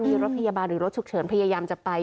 มีรถพยาบาลหรือรถฉุกเฉินพยายามจะไป